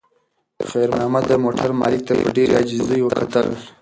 خیر محمد د موټر مالک ته په ډېرې عاجزۍ کتل.